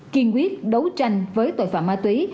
kiên quyết đấu tranh với tội phạm ma túy